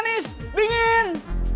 cendol manis dingin